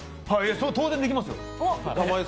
当然できますよ。